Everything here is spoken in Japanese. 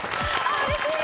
うれしい！